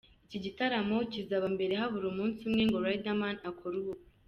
Iki gitaramo kizaba mbere habura umunsi umwe ngo Riderman akore ubukwe.